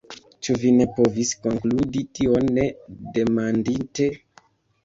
« Ĉu vi ne povis konkludi tion, ne demandinte?"